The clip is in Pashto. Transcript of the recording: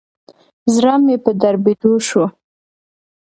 زړه مي په دربېدو شو.